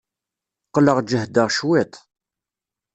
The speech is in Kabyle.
Qqleɣ jehdeɣ cwiṭ.